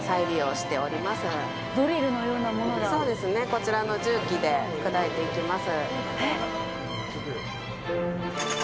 こちらの重機で砕いていきます。